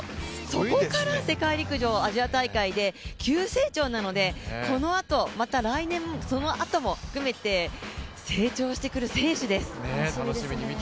そこから世界陸上、アジア大会で急成長なのでこのあと、また来年、そのあとも含めて成長してくる選手です。